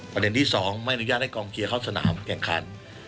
ประเด็นที่๒ไม่อนุญาตให้กองเชียร์เข้าสนามแข่งขัน